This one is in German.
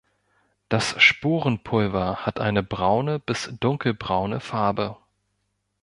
Das Sporenpulver hat eine braune bis dunkelbraune Farbe.